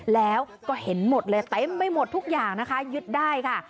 แล้วก็เห็นหมดเลยเต็มไปหมดทุกอย่างนะคะยึดได้ค่ะ